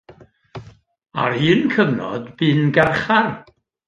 Ar un cyfnod, bu'n garchar.